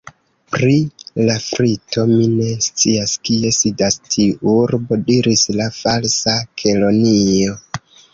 "Pri Lafrito, mi ne scias kie sidas tiu urbo," diris la Falsa Kelonio. "